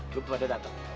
lupa dia datang